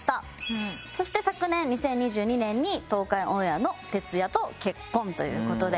そして昨年２０２２年に東海オンエアのてつやと結婚という事で。